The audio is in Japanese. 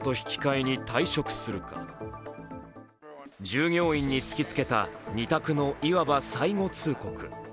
従業員に突きつけた、２択のいわば最後通告。